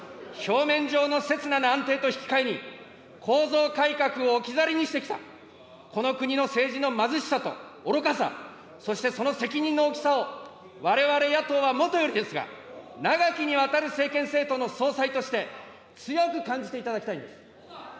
表面上の刹那な安定と引き換えに、構造改革を置き去りにしてきた、この国の政治の貧しさと愚かさ、その責任の大きさを、われわれ野党はもとよりですが、長きにわたる政権政党の総裁として、強く感じていただきたいんです。